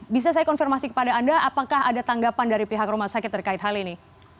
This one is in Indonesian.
bisa saya konfirmasi kepada anda apakah ada tanggapan dari pihak rumah sakit terkait hal ini